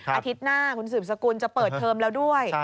อาทิตย์หน้าคุณสืบสกุลจะเปิดเทอมแล้วด้วย